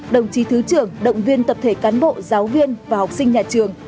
đồng chí thứ trưởng động viên tập thể cán bộ giáo viên và học sinh nhà trường